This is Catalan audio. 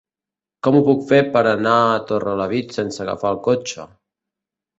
Com ho puc fer per anar a Torrelavit sense agafar el cotxe?